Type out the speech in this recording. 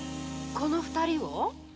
この二人を？